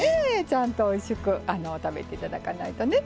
ちゃんとおいしく食べていただかないとね。